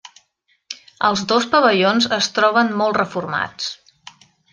Els dos pavellons es troben molt reformats.